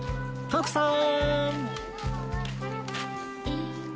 徳さん